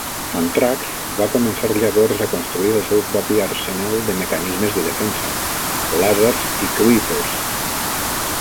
"Antrax" va començar llavors a construir el seu propi arsenal de mecanismes de defensa: làsers i Creepers.